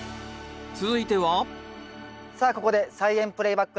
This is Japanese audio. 続いてはさあここで「菜園プレイバック」のコーナーです。